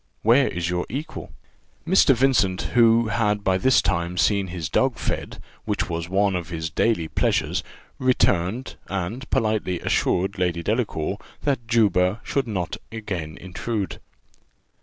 Where is your equal?" Mr. Vincent, who had by this time seen his dog fed, which was one of his daily pleasures, returned, and politely assured Lady Delacour that Juba should not again intrude.